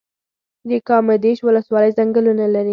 د کامدیش ولسوالۍ ځنګلونه لري